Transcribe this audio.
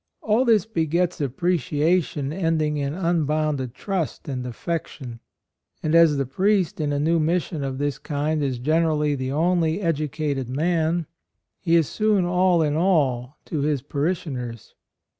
All this begets appreciation end ing in unbounded trust and affection; and as the priest in a new mission of this kind is generally the only educated man, he is soon all in all to his 88 A ROYAL SON parishioners.